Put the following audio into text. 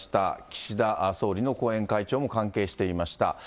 岸田総理の後援会長も関係していました。